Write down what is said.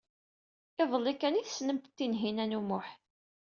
Iḍelli kan ay tessnemt Tinhinan u Muḥ.